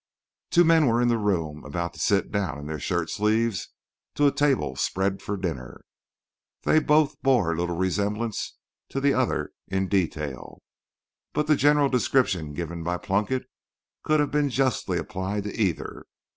Two men were in the room, about to sit down, in their shirt sleeves, to a table spread for dinner. They bore little resemblance one to the other in detail; but the general description given by Plunkett could have been justly applied to either.